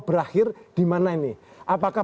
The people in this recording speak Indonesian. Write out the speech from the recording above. berakhir di mana ini apakah